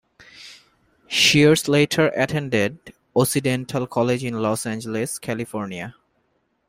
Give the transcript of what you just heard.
Shears later attended Occidental College in Los Angeles, California.